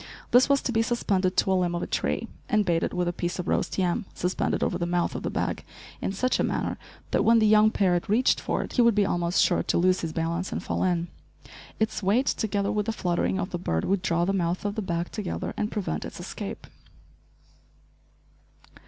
This was to be suspended to a limb of a tree, and baited with a piece of roast yam suspended over the mouth of the bag in such a manner that, when the young parrot reached for it, he would be almost sure to lose his balance and fall in. Its weight, together with the fluttering of the bird, would draw the mouth of the bag together and prevent its escape.